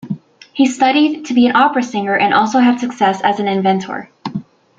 He studied to be an opera singer and also had success as an inventor.